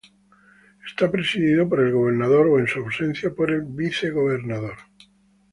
Está presidido por el gobernador o, en su ausencia, por el vicegobernador.